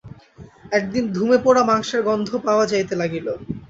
একদিন ধূমে পোড়া মাংসের গন্ধ পাওয়া যাইতে লাগিল।